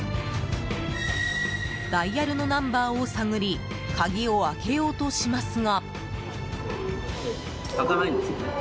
ダイヤルのナンバーを探り鍵を開けようとしますが。